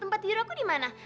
tempat tidur aku di mana